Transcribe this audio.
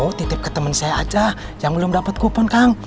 oh titip ke temen saya aja yang belum dapat kupon kang